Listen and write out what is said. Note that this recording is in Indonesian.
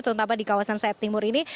terutama di kawasan saya timur ini